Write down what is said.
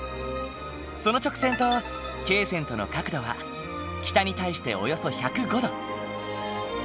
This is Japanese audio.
その直線と経線との角度は北に対しておよそ１０５度。